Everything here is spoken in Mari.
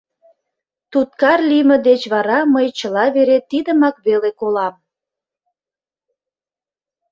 Туткар лийме деч вара мый чыла вере тидымак веле колам.